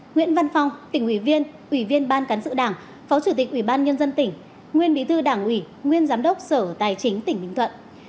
nguyễn văn phong tỉnh ủy viên ủy viên ban cán sự đảng phó chủ tịch ủy ban nhân dân tỉnh nguyên bí thư đảng ủy nguyên giám đốc sở tài chính tỉnh bình thuận